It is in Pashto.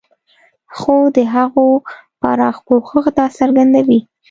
خو د هغو پراخ پوښښ دا څرګندوي.